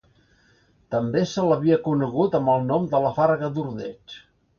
També se l'havia conegut amb el nom de La Farga d'Ordeig.